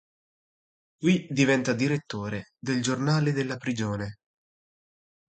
Qui diventa direttore del giornale della prigione.